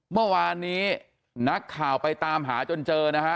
เมื่อวานนี้นักข่าวไปตามหาจนเจอนะฮะ